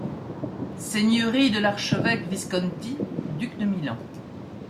- Seigneurie de l'archevêque Visconti, duc de Milan.